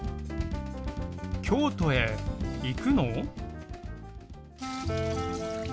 京都へ行くの？